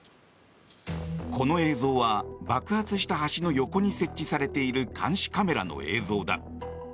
この映像は爆発した橋の横に設置されている監視カメラの映像だ。